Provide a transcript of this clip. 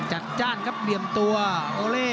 จ้านครับเหลี่ยมตัวโอเล่